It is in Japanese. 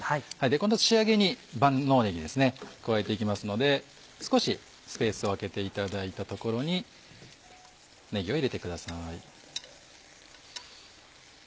この仕上げに万能ねぎですね加えて行きますので少しスペースを空けていただいたところにねぎを入れてください。